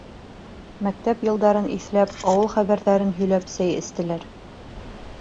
Мәктәп йылдарын иҫләп, ауыл хәбәрҙәрен һөйләп, сәй эстеләр.